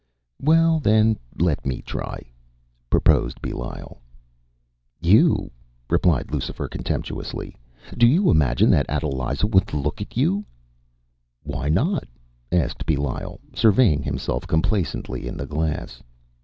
“Well then, let me try,” proposed Belial. “You?” replied Lucifer contemptuously; “do you imagine that Adeliza would look at you?” “Why not?” asked Belial, surveying himself complacently in the glass.